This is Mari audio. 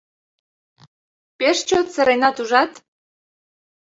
— Пеш чот сыренат ужат?